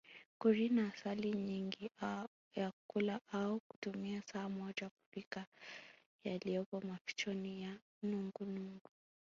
Kurina asali nyingi ya kula au kutumia saa moja kufika yalipo maficho ya nungunungu